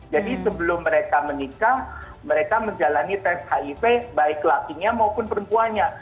jadi sebelum mereka menikah mereka menjalani tes hiv baik lakinya maupun perempuannya